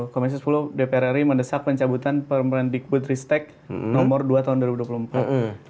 komisi sepuluh dpr ri mendesak pencabutan permendikbud ristek nomor dua tahun dua ribu dua puluh empat